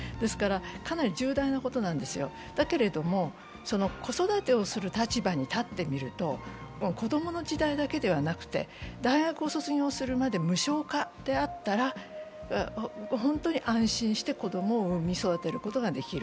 かなり重大なことなんですけれど子育てをする立場に立ってみると子供の時代だけではなくて、大学を卒業するまで無償化であったら、本当に安心して子供を産み・育てることができる。